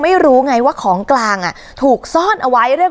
สลับผัดเปลี่ยนกันงมค้นหาต่อเนื่อง๑๐ชั่วโมงด้วยกัน